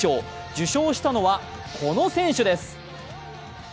受賞したのは、この選手です。